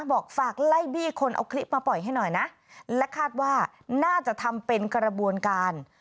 บอกฝากไล่บี้คนเอาคลิปมาปล่อยให้หน่อยนะและคาดว่าน่าจะทำเป็นกระบวนการ